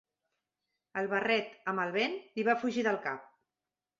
El barret, amb el vent, li va fugir del cap.